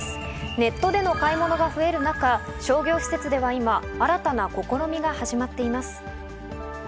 ネットでの買い物が増える中、商業施設では今、新たな試みが始まっています。